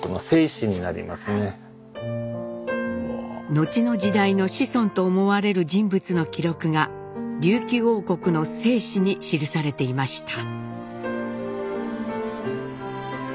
後の時代の子孫と思われる人物の記録が琉球王国の正史に記されていました。